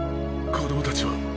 子供たちは？